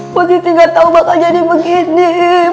positi gatau bakal jadi begini